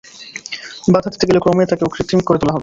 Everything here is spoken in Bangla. বাধা দিতে গেলে ক্রমে তাকে অকৃত্রিম করে তোলা হবে।